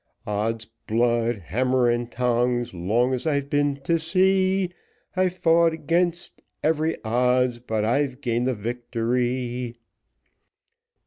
Odds blood, hammer and tongs, long as I've been to sea, I've fought 'gainst every odds but I've gained the victory.